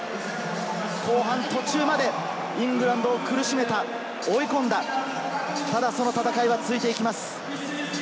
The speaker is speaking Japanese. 後半途中までイングランドを苦しめた、追い込んだ、ただその戦いは続いていきます。